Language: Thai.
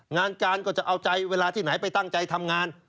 งานการก็จะเอาใจเวลาที่ไหนไปตั้งใจทำงาน